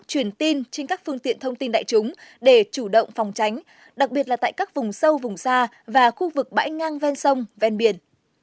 truyền tin trên các phương tiện thông tin đại chúng để chủ động phòng tránh đặc biệt là tại các vùng sâu vùng xa và khu vực bãi ngang ven sông ven biển